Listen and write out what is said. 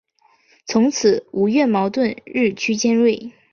从此吴越矛盾日趋尖锐。